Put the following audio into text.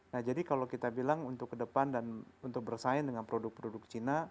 nah jadi kalau kita bilang untuk ke depan dan untuk bersaing dengan produk produk cina